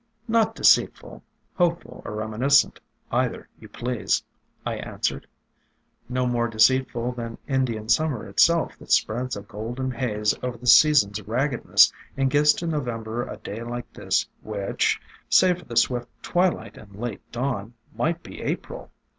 "Not deceitful, — hopeful or reminiscent, either you please," I answered. "No more deceitful than Indian Summer itself that spreads a golden haze AFTERMATH over the season's raggedness and gives to November a day like this which, save for the swift twilight and late dawn, might be April.